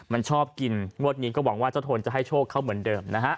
มันชอบกินงวดนี้ก็หวังว่าเจ้าโทนจะให้โชคเขาเหมือนเดิมนะฮะ